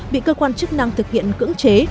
bị cơ quan chức năng thực hiện cưỡng chế